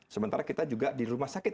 sementara kita juga di rumah sakit